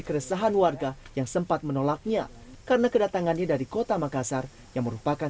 keresahan warga yang sempat menolaknya karena kedatangannya dari kota makassar yang merupakan